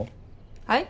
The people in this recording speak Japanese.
はい？